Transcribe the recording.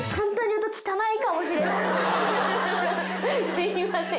すいません。